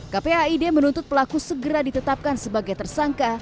kpaid menuntut pelaku segera ditetapkan sebagai tersangka